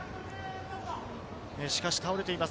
しかし倒れています。